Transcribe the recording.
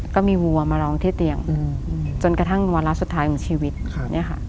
วัวมาร้องที่เตียงจนกระทั่งวาระสุดท้ายของชีวิตเนี่ยค่ะ